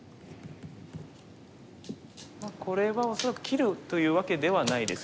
これは恐らく切るというわけではないですね。